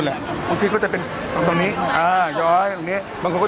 บางคนก็บอกว่ามันลืมครับ